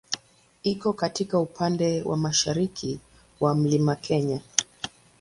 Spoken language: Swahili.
Iko katika upande wa mashariki mwa Mlima Kenya.